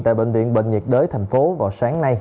tại bệnh viện bệnh nhiệt đới tp hcm vào sáng nay